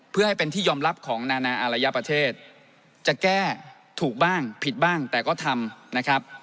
เพื่อให้เป็นที่ยอมรับของนานาอารยประเทศจะแก้ถูกบ้างผิดบ้างแต่ก็ทำนะครับ